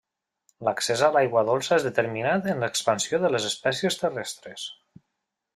L'accés a l'aigua dolça és determinant en l'expansió de les espècies terrestres.